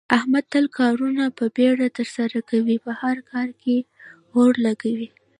احمد تل کارونه په بیړه ترسره کوي، په هر کار کې اور لگوي.